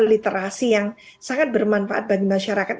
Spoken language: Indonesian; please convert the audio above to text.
literasi yang sangat bermanfaat bagi masyarakat